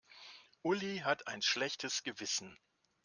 Uli hat ein schlechtes Gewissen.